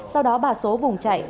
sau đó bà số vùng chạy